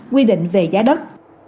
quy định về giá đất